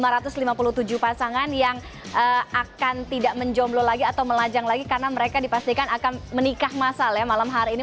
rasangan yang akan tidak menjomblo lagi atau melajang lagi karena mereka dipastikan akan menikah masal ya malam hari ini